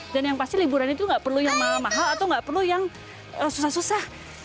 dan yang pasti liburan itu gak perlu yang mahal mahal atau gak perlu yang susah susah